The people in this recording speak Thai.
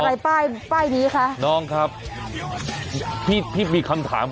วัยรุ่นที่คุกขนองเป็นอุบัติเหตุในทางที่ผิด